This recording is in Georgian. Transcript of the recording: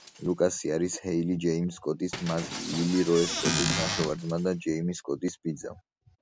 ლუკასი არის ჰეილი ჯეიმზ სკოტის მაზლი, ლილი როე სკოტის ნახევარძმა და ჯეიმი სკოტის ბიძა.